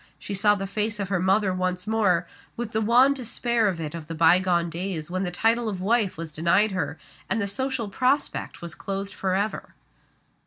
She saw the face of her mother once more, with the wan despair on it of the bygone days when the title of wife was denied her, and the social prospect was closed forever.